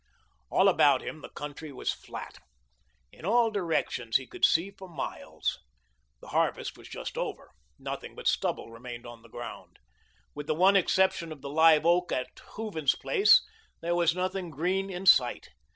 All about him the country was flat. In all directions he could see for miles. The harvest was just over. Nothing but stubble remained on the ground. With the one exception of the live oak by Hooven's place, there was nothing green in sight.